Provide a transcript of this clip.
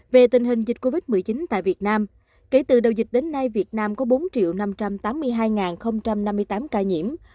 về tình hình dịch covid một mươi chín tại việt nam kể từ đầu dịch đến nay việt nam có bốn năm trăm tám mươi hai năm mươi tám ca nhiễm